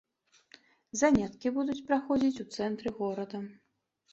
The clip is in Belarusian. Заняткі будуць праходзіць у цэнтры горада.